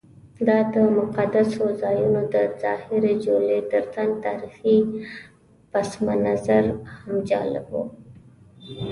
دا د مقدسو ځایونو د ظاهري جولې ترڅنګ تاریخي پسمنظر هم جالب و.